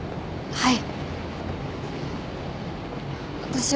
はい。